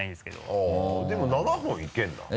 あぁでも七本いけるんだ？